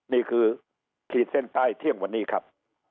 นี่คือขีดเส้นใต้เที่ยงวันนี้ครับ